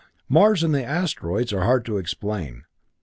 "Mars and the asteroids are hard to explain.